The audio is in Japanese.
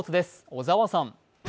小沢さん。